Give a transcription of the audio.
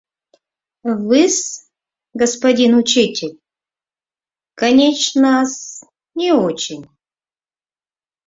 Вы-с, господин учитель, конечно-с, не очень!